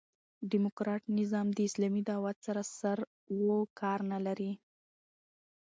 ډيموکراټ نظام د اسلامي دعوت سره سر و کار نه لري.